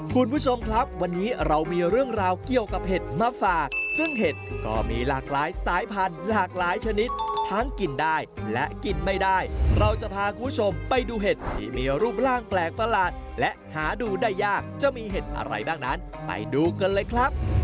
คุณผู้ชมครับวันนี้เรามีเรื่องราวเกี่ยวกับเห็ดมาฝากซึ่งเห็ดก็มีหลากหลายสายพันธุ์หลากหลายชนิดทั้งกินได้และกินไม่ได้เราจะพาคุณผู้ชมไปดูเห็ดที่มีรูปร่างแปลกประหลาดและหาดูได้ยากจะมีเห็ดอะไรบ้างนั้นไปดูกันเลยครับ